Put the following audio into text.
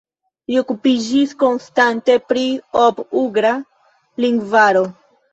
Li okupiĝis konstante pri Ob-ugra lingvaro.